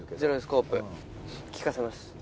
利かせます。